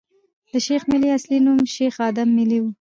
د شېخ ملي اصلي نوم شېخ ادم ملي ؤ.